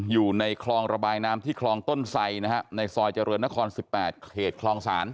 อยู่ในคลองระบายน้ำที่คลองต้นไสนะฮะในซอยเจริญนคร๑๘เขตคลองศาล